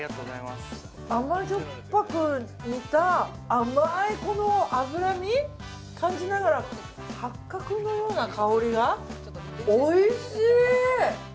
甘じょっぱく煮た甘いこの脂身、感じながら八角のような香りがおいしい！